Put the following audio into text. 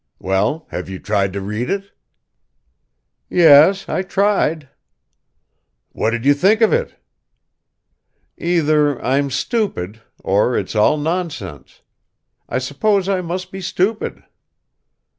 Well, have you tried to read it?" "Yes, I tried." "What did you think of it?" "Either I'm stupid, or it's all nonsense. I suppose I must be stupid."